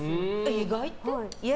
意外って？